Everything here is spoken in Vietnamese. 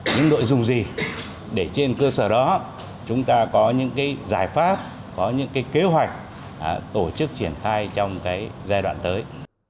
những nội dung gì để trên cơ sở đó chúng ta có những giải pháp có những kế hoạch tổ chức triển khai trong giai đoạn tới